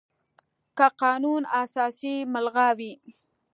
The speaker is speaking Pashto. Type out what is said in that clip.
که قانون اساسي ملغا وي،